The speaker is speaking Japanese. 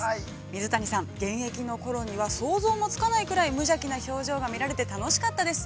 水谷さん、現役のころには想像もつかないぐらい、無邪気な表情が見られて、楽しかったです。